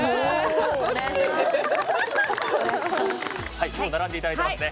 はいもう並んでいただいてますね。